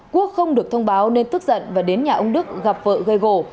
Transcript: quốc không được thông báo nên tức giận và đến nhà ông đức gặp vợ gây gổ